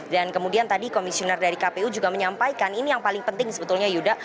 dan kemudian tadi komisioner dari kpu juga menyampaikan ini yang paling penting sebetulnya yuda